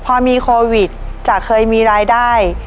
พอมีโควิดจะเคยมีรายได้